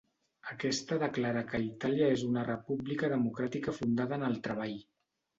Aquesta declara que Itàlia és una República democràtica fundada en el treball.